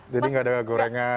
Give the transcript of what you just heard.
jadi nggak ada gorengan ya